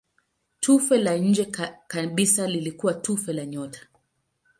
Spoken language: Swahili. Tufe la nje kabisa lilikuwa tufe la nyota.